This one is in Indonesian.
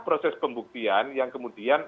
proses pembuktian yang kemudian